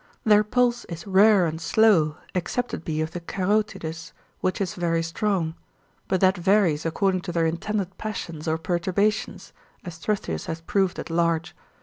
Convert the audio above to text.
Their pulse is rare and slow, except it be of the Carotides, which is very strong; but that varies according to their intended passions or perturbations, as Struthius hath proved at large, Spigmaticae.